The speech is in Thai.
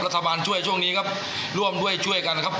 รัฐบาลช่วยช่วงนี้ครับร่วมด้วยช่วยกันครับ